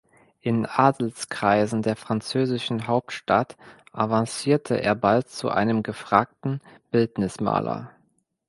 In Adelskreisen der französischen Hauptstadt avancierte er bald zu einem gefragten Bildnismaler.